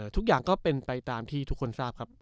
ทุกอย่างก็เป็นไปตามที่ทุกคนทราบครับ